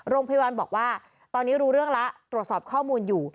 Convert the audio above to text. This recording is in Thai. โรงพยาบาลบอกว่าตอนนี้รู้เรื่องแล้วตรวจสอบข้อมูลอยู่